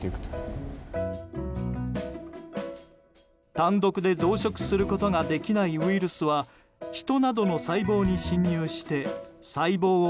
単独で増殖することができないウイルスはヒトなどの細胞に侵入して細胞を